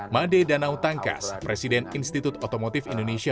made danau tangkas presiden institut otomotif indonesia